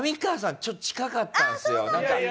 ちょっと近かったんですよ。